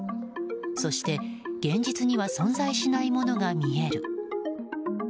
そして、現実には存在しないものが見える。